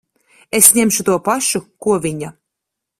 Es ņemšu to pašu, ko viņa.